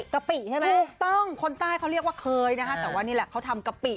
กะปิใช่ไหมถูกต้องคนใต้เขาเรียกว่าเคยนะคะแต่ว่านี่แหละเขาทำกะปิ